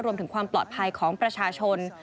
รวมถึงความปลอดภัยของประชาชน